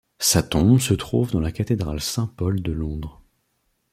Sa tombe se trouve dans la cathédrale Saint-Paul de Londres.